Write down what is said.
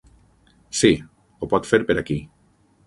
Sí, ho pot fer per aquí.